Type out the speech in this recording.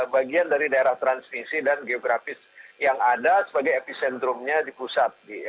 bagian dari daerah transmisi dan geografis yang ada sebagai epicentrumnya di pusat